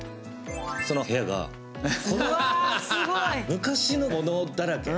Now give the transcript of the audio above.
その部屋が、昔のものだらけ。